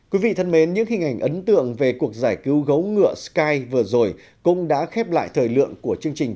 quý vị thân mến những hình ảnh ấn tượng về cuộc giải cứu gấu ngựa sky vừa rồi cũng đã khép lại thời lượng của chương trình